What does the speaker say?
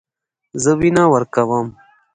زه وینه ورکوم.